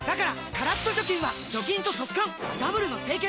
カラッと除菌は除菌と速乾ダブルの清潔！